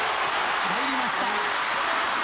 返りました。